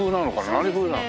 何風なの？